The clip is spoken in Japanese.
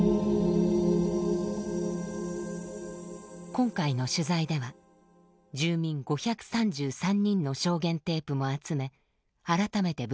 今回の取材では住民５３３人の証言テープも集め改めて分析しました。